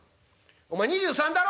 「お前２３だろ？